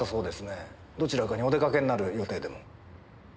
どちらかにお出かけになる予定でも？